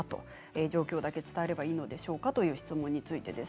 状況だけ伝えればいいんでしょうか、という質問についてです。